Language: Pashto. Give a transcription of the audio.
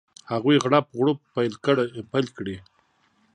هغوی غړپ غړوپ پیل کړي.